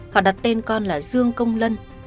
họ đặt tên con là dương công lân